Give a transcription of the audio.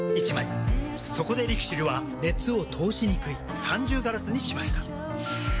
そこでＬＩＸＩＬは熱を通しにくい三重ガラスにしました。